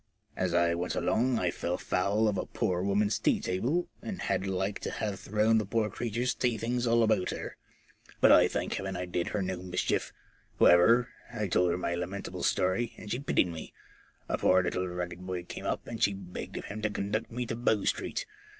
As I went along I fell foul of a poor woman's tea table, and had like to have thrown the poor creature's tea things all about her. But I thank Heaven I did her no mischief. However, I told her my lamentable story, and she pitied me. A poor little ragged boy came up, and she begged of him to conduct me to Bow Street.